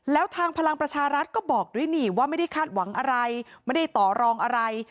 แล้วทางพลังประชารัฐก็บอกด้วยนี่ว่าไม่ได้คาดหวังอะไรไม่ได้ต่อรองอะไร